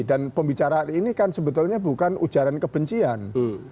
dan pembicaraan ini kan sebetulnya bukan ujaran kebencian